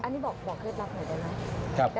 อันนี้บอกเคศรับให้ได้ไหม